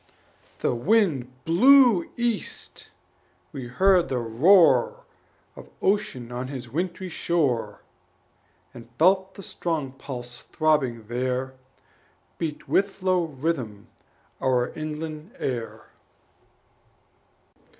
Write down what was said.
The wind blew east; we heard the roar Of Ocean on his wintry shore, And felt the strong pulse throbbing there Beat with low rhythm our inland air.